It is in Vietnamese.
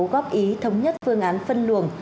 góp ý thống nhất phương án phân luồng